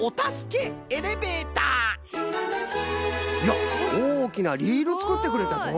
やっおおきなリールつくってくれたぞ！